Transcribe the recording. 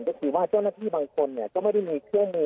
ก็คือว่าเจ้าหน้าที่บางคนก็ไม่ได้มีเครื่องมือ